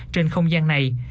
trên không gian này